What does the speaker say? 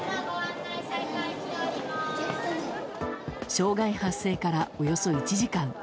障害発生からおよそ１時間。